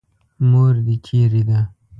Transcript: مور دې چېرې ده.